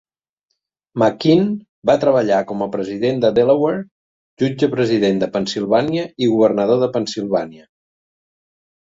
McKean va treballar com a president de Delaware, jutge president de Pennsilvània i governador de Pennsilvània.